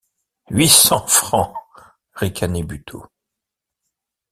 Huit cents francs ! ricanait Buteau.